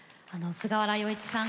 菅原洋一さん